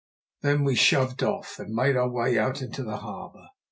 Then we shoved off, and made our way out into the harbour.